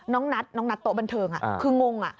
น้องนัทน้องนัทโต๊ะบันเทิงคืองง